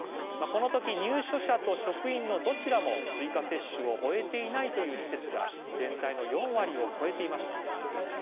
このとき入所者と職員のどちらも追加接種を終えていないという施設が全体の４割を超えていました。